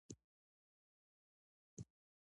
کتابچه د فکري ودې وسیله ده